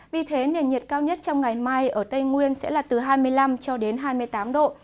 vì thế nền nhiệt cao nhất trong ngày mai ở tây nguyên sẽ là từ hai mươi năm cho đến hai mươi tám độ